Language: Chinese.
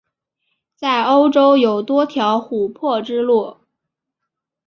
在欧洲有多条琥珀之路。